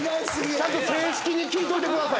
ちゃんと正式に聞いといてください。